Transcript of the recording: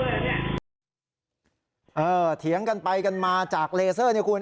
เถียงกันไปกันมาจากเลเซอร์นี่คุณ